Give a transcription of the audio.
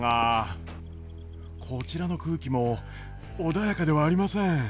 こちらの空気も穏やかではありません。